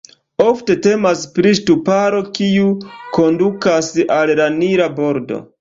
Ofte temas pri ŝtuparo, kiu kondukas al la Nila bordo.